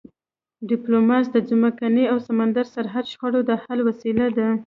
ډیپلوماسي د ځمکني او سمندري سرحدي شخړو د حل وسیله ده.